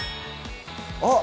あっ！